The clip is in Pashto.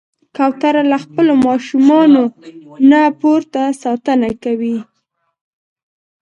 کوتره له خپلو ماشومانو نه پوره ساتنه کوي.